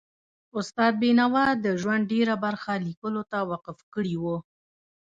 استاد بینوا د ژوند ډېره برخه لیکلو ته وقف کړي وه.